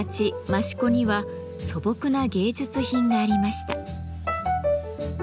益子には素朴な芸術品がありました。